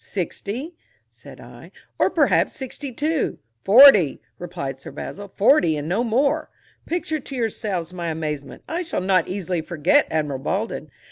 "Sixty," said I, "or perhaps sixty two." "Forty," replied Sir Basil, "forty, and no more." Picture to yourselves my amazement; I shall not easily forget Admiral Baldwin.